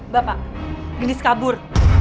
bapak gedis kabur